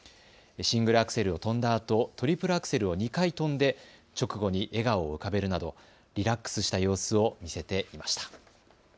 シングルアクセルを跳んだあとトリプルアクセルを２回跳んで直後に笑顔を浮かべるなどリラックスした様子を見せていました。